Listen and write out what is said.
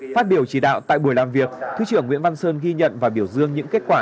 phát biểu chỉ đạo tại buổi làm việc thứ trưởng nguyễn văn sơn ghi nhận và biểu dương những kết quả